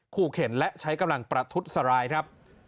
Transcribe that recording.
ขู่เข็นและใช้กำลังประทุษรายครับ